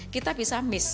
kita bisa mengambilnya